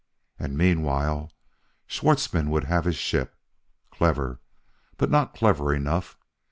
And, meanwhile, Schwartzmann would have his ship. Clever! But not clever enough.